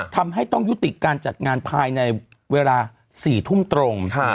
ทำให้ต้องยุติการจัดงานภายในเวลา๔ทุ่มตรง